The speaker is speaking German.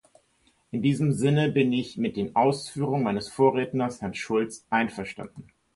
In diesem Sinne bin ich mit den Ausführungen meines Vorredners, Herrn Schulz, einverstanden.